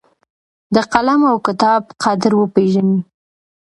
د قلم او کتاب قدر وپېژنئ.